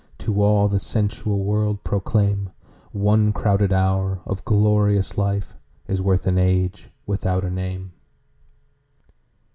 To all the sensual world proclaim, One crowded hour of glorious lifeIs worth an age without a name.